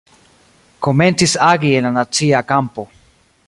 Komencis agi en la nacia kampo.